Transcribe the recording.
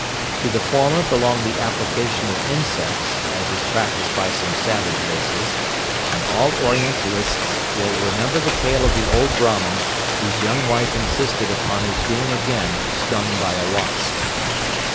To the former belong the application of insects, as is practised by some savage races; and all orientalists will remember the tale of the old Brahman, whose young wife insisted upon his being again stung by a wasp."